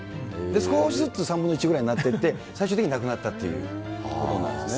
少しずつ３分の１ぐらいになって、最終的になくなったっていうことなんですね。